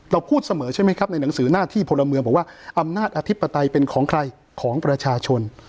พูดเสมอใช่ไหมครับในหนังสือหน้าที่พลเมืองบอกว่าอำนาจอธิปไตยเป็นของใครของประชาชน